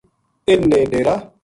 اِنھ نے ڈیرا